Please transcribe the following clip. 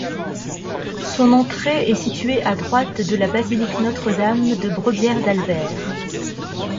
Son entrée est située à droite de la basilique Notre-Dame de Brebières d'Albert.